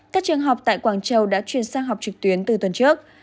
các trường học tại quảng châu đã chuyển sang học trực tuyến từ tuần trước